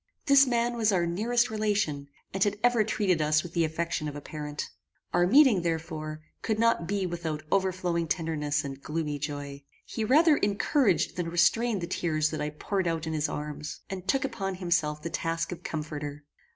This man was our nearest relation, and had ever treated us with the affection of a parent. Our meeting, therefore, could not be without overflowing tenderness and gloomy joy. He rather encouraged than restrained the tears that I poured out in his arms, and took upon himself the task of comforter.